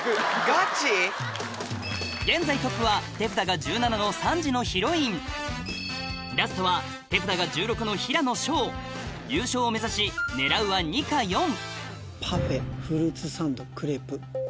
ガチ？の３時のヒロインラストは手札が１６の平野紫耀優勝を目指し狙うは２か４パフェフルーツサンドクレープ。